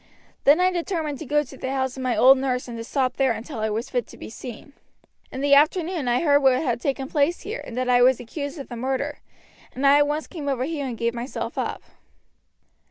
Then I determined to go to the house of my old nurse and to stop there until I was fit to be seen. In the afternoon I heard what had taken place here, and that I was accused of the murder, and I at once came over here and gave myself up."